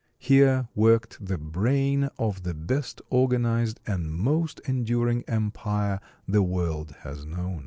Here worked the brain of the best organized and most enduring empire the world has known.